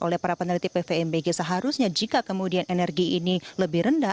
oleh para peneliti pvmbg seharusnya jika kemudian energi ini lebih rendah